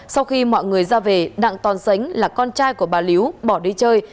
sau khi mọi người ra về đặng toàn sánh là con trai của bà liếu bỏ đi chơi